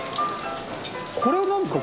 これはなんですか？